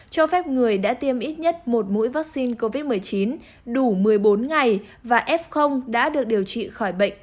cho phép người đã tiêm ít nhất một mũi vaccine covid một mươi chín đủ một mươi bốn ngày và f đã được điều trị khỏi bệnh